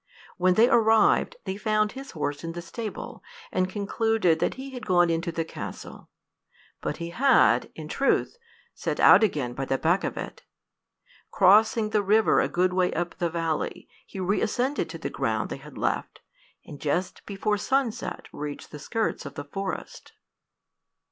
When they arrived, they found his horse in the stable, and concluded that he had gone into the castle. But he had, in truth, set out again by the back of it. Crossing the river a good way up the valley, he reascended to the ground they had left, and just before sunset reached the skirts of the forest.